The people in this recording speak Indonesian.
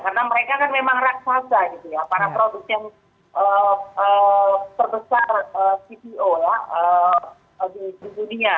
karena mereka kan memang raksasa gitu ya para produsen terbesar cpo ya di dunia